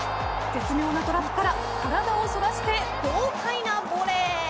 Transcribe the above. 絶妙なトラップから体を反らして豪快なボレー。